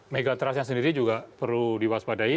megatrus yang sendiri juga perlu diwaspadai